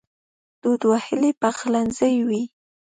دود وهلی پخلنځی وي